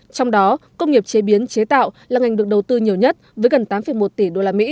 trong đó công nghiệp chế biến chế tạo là ngành được đầu tư nhiều nhất với gần tám một tỷ usd